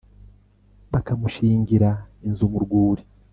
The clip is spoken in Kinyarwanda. bakamushingira inzu mu rwuri,